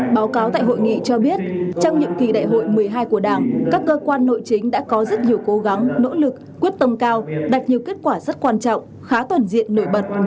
báo cáo tại hội nghị cho biết trong nhiệm kỳ đại hội một mươi hai của đảng các cơ quan nội chính đã có rất nhiều cố gắng nỗ lực quyết tâm cao đạt nhiều kết quả rất quan trọng khá toàn diện nổi bật